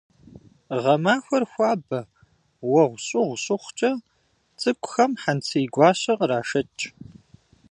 Гъэмахуэр хуабэ, уэгъущӏыгъу щыхъукӏэ, цӏыкӏухэм хьэнцейгуащэ кърашэкӏ.